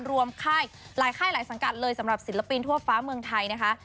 ค่ายหลายค่ายหลายสังกัดเลยสำหรับศิลปินทั่วฟ้าเมืองไทยนะคะ